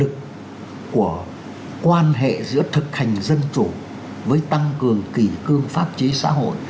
lực của quan hệ giữa thực hành dân chủ với tăng cường kỷ cương pháp chế xã hội